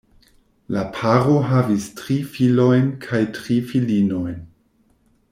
La paro havis tri filojn kaj tri filinojn.